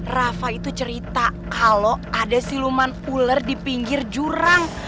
rafa itu cerita kalau ada siluman ular di pinggir jurang